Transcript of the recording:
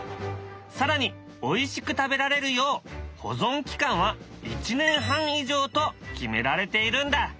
更においしく食べられるよう保存期間は１年半以上と決められているんだ。